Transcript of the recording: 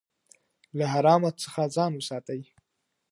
له حرامو څخه ځان وساتئ.